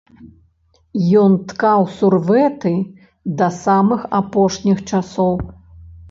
Ён ткаў сурвэты да самых апошніх часоў.